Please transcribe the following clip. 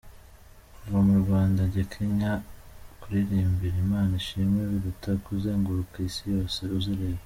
Kuva mu Rwanda njya Kenya kuririmbira Imana ishimwe biruta kuzenguruka isi yose uzerera.